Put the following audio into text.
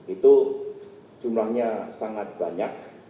itu jumlahnya sangat banyak